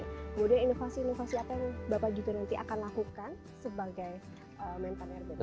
kemudian inovasi inovasi apa yang bapak juga nanti akan lakukan sebagai mentor rbt